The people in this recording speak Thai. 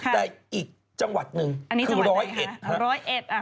แต่อีกจังหวัดนึงคือร้อยเอ็ด